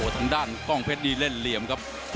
ทางด้านกล้องเพชรนี่เล่นเหลี่ยมครับ